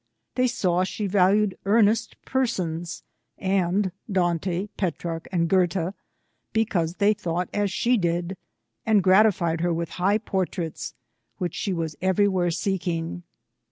They saw she valued earnest persons, and Dante, Petrarch, and Goethe, because they thought as she did, and gratified her with high portraits, which she was everywhere seeking.